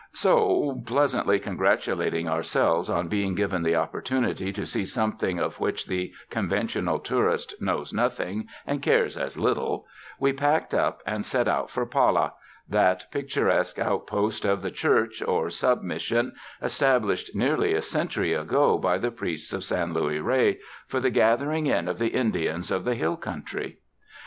So, pleasantly congratulating ourselves on being given the opportunity to see something of which the conventional tourist knows nothing and cares as little, we packed up and set out for Pala, that pictur esque outpost of the Church, or sub Mission, estab lished nearly a century ago by the priests of San Luis Rey for the gathering in of the Indians of the hill country.